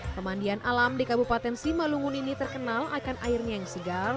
pemandian alam di kabupaten simalungun ini terkenal akan airnya yang segar